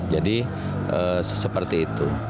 jadi seperti itu